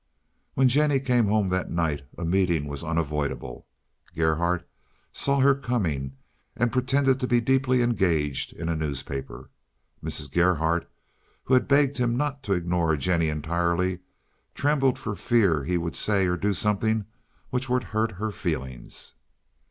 When Jennie came home that night a meeting was unavoidable. Gerhardt saw her coming, and pretended to be deeply engaged in a newspaper. Mrs. Gerhardt, who had begged him not to ignore Jennie entirely, trembled for fear he would say or do something which would hurt her feelings.